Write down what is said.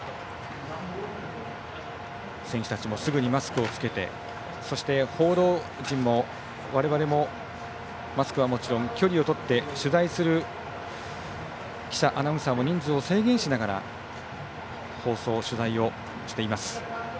選手たちもすぐにマスクを着けてそして、報道陣、我々もマスクはもちろん距離をとって、取材する記者アナウンサーも人数を制限しながら放送、取材をしています。